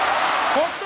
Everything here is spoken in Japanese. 北勝